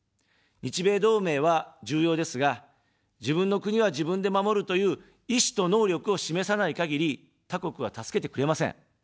日米同盟は重要ですが、自分の国は自分で守るという意志と能力を示さないかぎり、他国は助けてくれません。